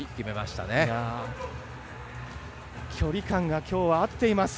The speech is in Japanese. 距離感がきょうは合っています。